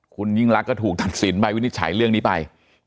คุณยิ่งรักก็ถูกตัดสินใบวินิจฉัยเรื่องนี้ไป